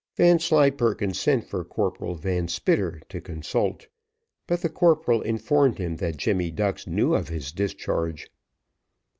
Vanslyperken sent for Corporal Van Spitter to consult, but the corporal informed him that Jemmy Ducks knew of his discharge.